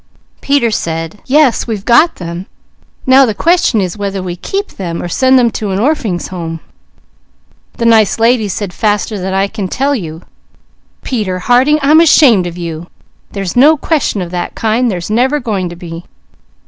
"Peter said, 'Yes, we've got them; now the question is whether we keep them, or send them to an Orphings' Home.' "The nice lady she said faster than I can tell you: 'Peter Harding, I'm ashamed of you! There's no question of that kind! There's never going to be!'